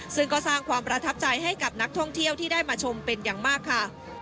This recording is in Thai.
ซึ่งก็สร้างความประทับใจให้กับนักท่องเที่ยวที่ได้มาชมเป็นอย่างมากค่ะ